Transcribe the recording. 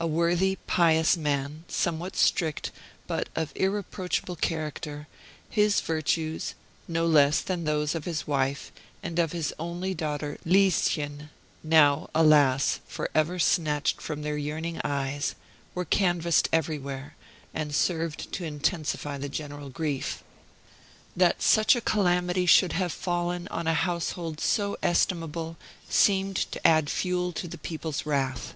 A worthy, pious man, somewhat strict, but of irreproachable character; his virtues, no less than those of his wife, and of his only daughter, Lieschen now, alas; for ever snatched from their yearning eyes were canvassed everywhere, and served to intensify the general grief. That such a calamity should have fallen on a household so estimable, seemed to add fuel to the people's wrath.